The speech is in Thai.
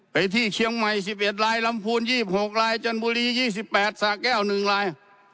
ไปที่เชียงใหม่สิบเอ็ดรายลำภูนย์ยี่สิบหกรายจันบุรียี่สิบแปดสะแก้วหนึ่งราย